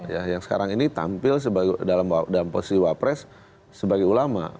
ya yang sekarang ini tampil dalam posisi wapres sebagai ulama